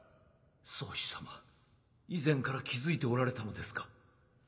宗師様以前から気付いておられたのですか？